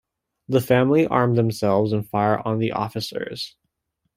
The family arm themselves and fire on the officers.